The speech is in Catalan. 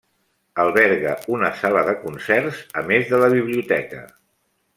Alberga una sala de concerts, a més de la biblioteca.